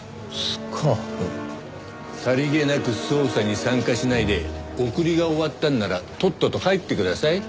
さりげなく捜査に参加しないで送りが終わったんならとっとと帰ってください。